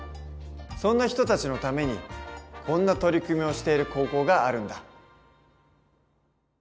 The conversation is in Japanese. そんな人たちのためにこんな取り組みをしている高校があるんだ。